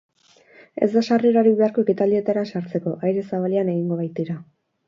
Ez da sarrerarik beharko ekitaldietara sartzeko, aire zabalean egingo baitira.